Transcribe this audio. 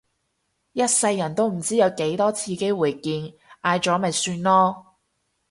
一世人都唔知有幾多次機會見嗌咗咪算囉